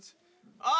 あ！